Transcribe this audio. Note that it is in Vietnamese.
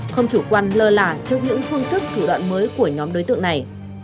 không chủ quan lờ lả trước những phương thức thủ đoạn mới của nhóm đối tượng này